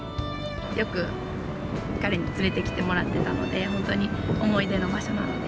よく彼に連れてきてもらってたので、本当に思い出の場所なので。